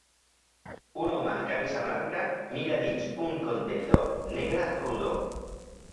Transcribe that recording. Un home amb camisa blanca mira dins un contenidor negre rodó